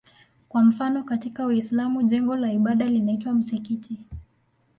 Kwa mfano katika Uislamu jengo la ibada linaitwa msikiti.